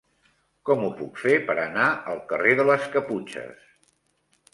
Com ho puc fer per anar al carrer de les Caputxes?